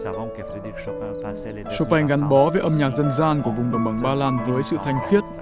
chopin gắn bó với âm nhạc dân gian của vùng đồng bằng ba lan với sự thanh khiết